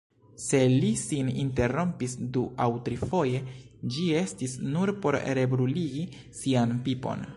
Se li sin interrompis du aŭ trifoje, ĝi estis nur por rebruligi sian pipon.